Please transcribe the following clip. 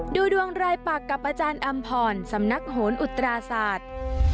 ดูดวงรายปักกับอาจารย์อำพรสำนักโหนอุตราศาสตร์